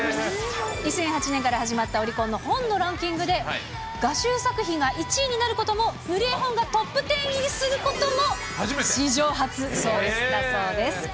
２００８年から始まったオリコンの本のランキングで、画集作品が１位になることも塗り絵本がトップ１０入りすることも史上初だそうです。